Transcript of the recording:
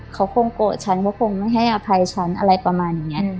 เขาคงโกรธฉันว่าคงไม่ให้อภัยฉันอะไรประมาณอย่างนี้